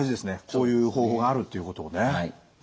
こういう方法があるっていうことをね。